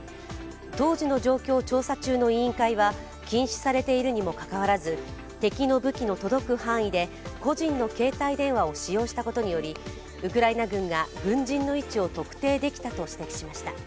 当時の状況を調査中の委員会は、禁止されているにもかかわらず敵の武器の届く範囲で個人の携帯電話を使用したことによりウクライナ軍が、軍人の位置を特定できたと指摘しました。